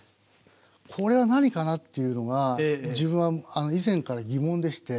これは何かなっていうのが自分は以前から疑問でして。